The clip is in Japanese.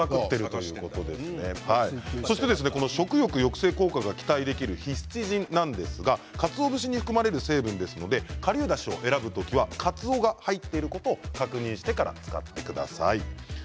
そして食欲抑制効果が期待できるヒスチジンなんですがかつお節に含まれる成分ですのでかりゅうだしを選ぶ時はカツオが入っていることを確認してから使ってください。